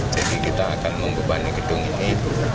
jadi kita akan membebani gedung ini